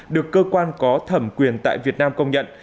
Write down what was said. được cơ quan có thẩm quyền tại việt nam công nhận